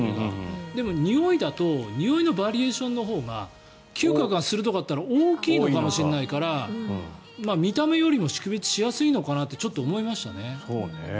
でも、においだとにおいのバリエーションのほうがきゅう覚が鋭かったら大きいのかもしれないから見た目よりも識別しやすいのかなってちょっと思いましたね。